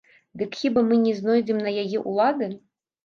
Дык хіба мы не знойдзем на яе ўлады?